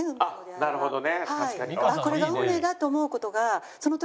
なるほどね。